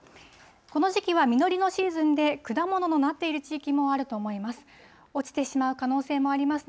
この時期は実りのシーズンで、果物のなっている地域もあると思います。